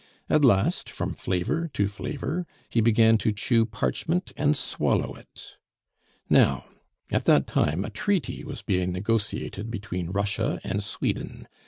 At last, from flavor to flavor, he began to chew parchment and swallow it. Now, at that time a treaty was being negotiated between Russia and Sweden.